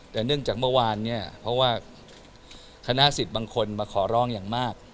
แต่เนื่องจากเมื่อวานเนี่ยเพราะว่าคณะสิทธิ์บางคนมาขอร้องอย่างมาก